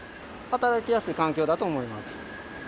働きやすい環境だと思います。